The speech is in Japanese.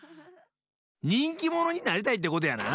にんきものになりたいってことやな？